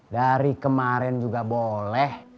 dari kemarin juga boleh